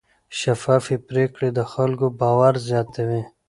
شفافې پریکړې د خلکو باور زیاتوي.